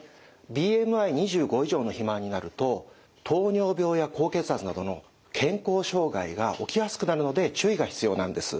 ＢＭＩ２５以上の肥満になると糖尿病や高血圧などの健康障害が起きやすくなるので注意が必要なんです。